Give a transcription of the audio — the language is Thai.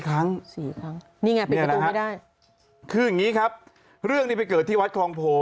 ครั้งสี่ครั้งนี่ไงปิดประตูไม่ได้คืออย่างงี้ครับเรื่องนี้ไปเกิดที่วัดคลองโพ